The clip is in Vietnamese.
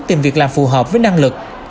tìm việc làm phù hợp với năng lực